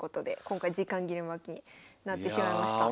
今回時間切れ負けになってしまいました。